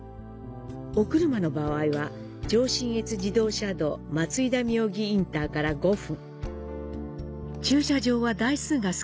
お車の場合は、上信越自動車道松井田妙義インターから５分。